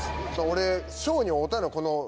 俺。